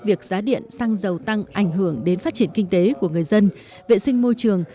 việc giá điện xăng dầu tăng ảnh hưởng đến phát triển kinh tế của người dân vệ sinh môi trường